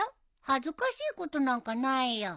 恥ずかしいことなんかないよ。